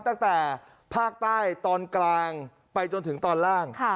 ตั้งแต่ภาคใต้ตอนกลางไปจนถึงตอนล่าง